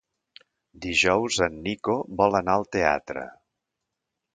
Dijous en Nico vol anar al teatre.